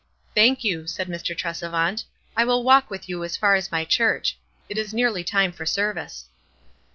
"Thank you," said Mr. Tresevant. "I will walk with you as far as my church. It is near ly time for service."